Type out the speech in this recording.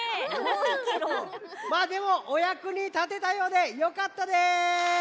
まあでもおやくにたてたようでよかったです！